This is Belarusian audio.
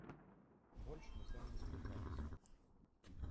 Больш мы з вамі не спаткаемся.